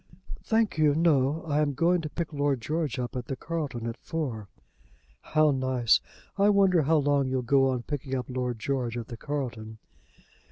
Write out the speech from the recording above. "Thank you, no. I am going to pick Lord George up at the Carlton at four." "How nice! I wonder how long you'll go on picking up Lord George at the Carlton."